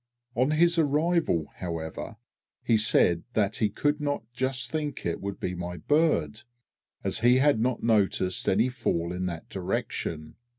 On his arrival, however, he said that he could not just think it would be my bird, as he had not noticed any fall in that direction.